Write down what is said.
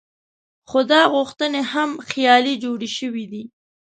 خو دا غوښتنې هم خیالي جوړې شوې دي.